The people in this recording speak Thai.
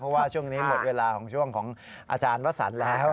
เพราะว่าช่วงนี้หมดเวลาของช่วงของอาจารย์วสันแล้ว